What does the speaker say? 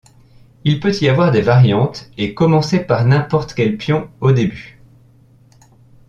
Il peut y avoir des variantes et commencer par n'importe quel pion au début.